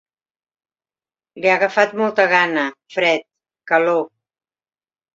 Li ha agafat molta gana, fred, calor.